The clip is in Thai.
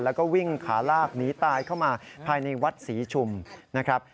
แล้วก็วิ่งขาลากหนีตายเข้ามาภายในวัดศรีชุมนะครับ